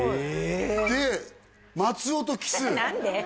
で松尾とキス何で？